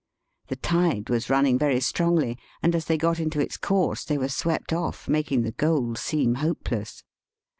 The tide was running very strongly, and as they got into its course they were swept off, making the goal seem hopeless.